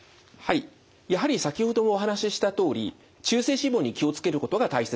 やはり先ほどお話ししたとおり中性脂肪に気を付けることが大切になります。